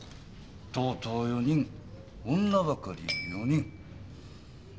とうとう４人女ばかり４人。